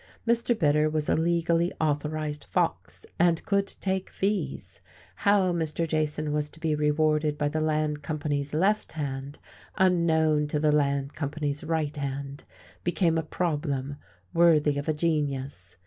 Mr. Bitter was a legally authorized fox, and could take fees. How Mr. Jason was to be rewarded by the land company's left hand, unknown, to the land company's right hand, became a problem worthy of a genius.